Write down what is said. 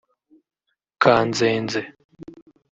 kanzenze